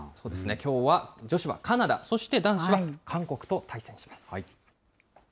きょうは女子はカナダ、男子は韓国と対戦します。